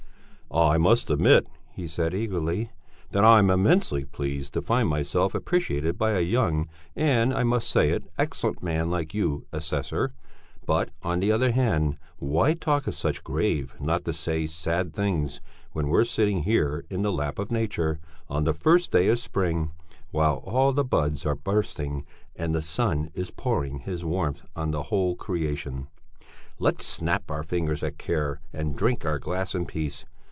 "I must admit," he said eagerly, "that I'm immensely pleased to find myself appreciated by a young and I must say it excellent man like you, assessor; but, on the other hand, why talk of such grave, not to say sad things, when we're sitting here, in the lap of nature, on the first day of spring, while all the buds are bursting and the sun is pouring his warmth on the whole creation! Let's snap our fingers at care and drink our glass in peace.